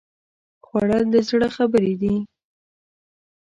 خوړل د زړه خبرې دي